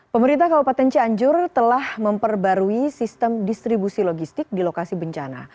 pemerintah kabupaten cianjur telah memperbarui sistem distribusi logistik di lokasi bencana